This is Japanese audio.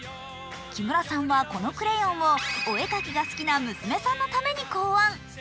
木村さんはこのクレヨンをお絵描きが好きな娘さんのために考案。